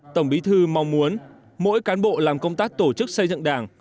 tổng bí thư mong muốn mỗi cán bộ làm công tác tổ chức xây dựng đảng